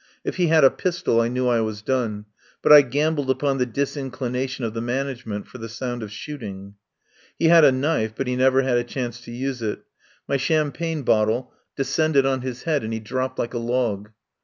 If he had a pistol I knew I was done, but I gambled upon the disinclination of the management for the sound of shooting. He had a knife, but he never had a chance to use it. My champagne bottle descended on his head and he dropped like a log.